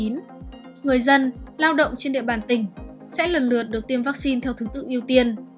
người dân lao động trên địa bàn tỉnh sẽ lần lượt được tiêm vaccine theo thứ tự ưu tiên